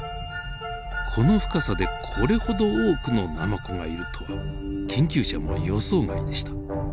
この深さでこれほど多くのナマコがいるとは研究者も予想外でした。